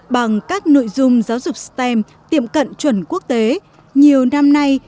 bằng các nội dung giáo dục stem tiệm cận chuẩn quốc tế nhiều năm nay